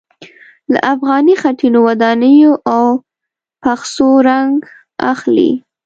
له افغاني خټينو ودانیو او پخڅو رنګ اخلي.